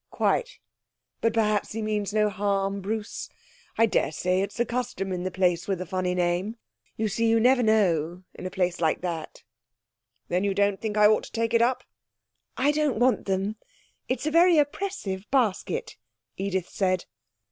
'Quite. But perhaps he means no harm, Bruce. I daresay it's the custom in the place with the funny name. You see, you never know, in a place like that.' 'Then you don't think I ought to take it up?' 'I don't want them. It's a very oppressive basket,' Edith said.